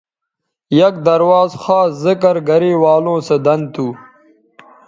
یک درواز خاص ذکر گرےوالوں سو دن تھو